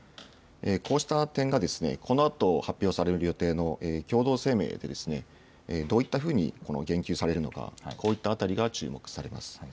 こうした点が、このあと発表される予定の共同声明で、どういったふうに言及されるのか、こういったあたりが注目されます。